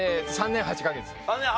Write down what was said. ３年８カ月。